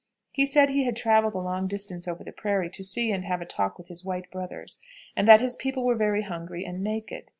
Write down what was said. He said he had traveled a long distance over the prairies to see and have a talk with his white brothers; that his people were very hungry and naked.